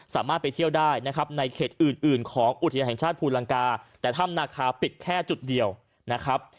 สามารถไปเที่ยวได้นะครับในเขตอื่นอื่นของอุทยานแห่งชาติภูลังกาแต่ถ้ำนาคาปิดแค่จุดเดียวนะครับ